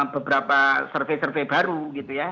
beberapa survei survei baru gitu ya